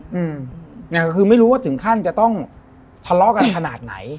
อืมเนี่ยก็คือไม่รู้ว่าถึงขั้นจะต้องทะเลาะกันขนาดไหน